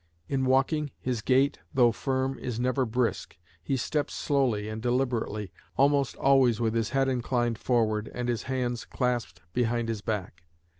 In walking, his gait, though firm, is never brisk. He steps slowly and deliberately, almost always with his head inclined forward and his hands clasped behind his back.